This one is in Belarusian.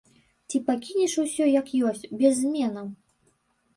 Ці пакінеш усё як ёсць, без зменаў?